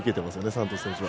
サントス選手は。